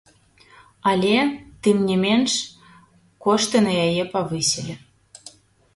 Але, тым не менш, кошты на яе павысілі.